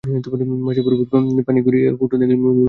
মাছের বরফের পানি গড়িয়ে ফুটপাত ছেড়ে মূল সড়ক অবধি চলে আসছে।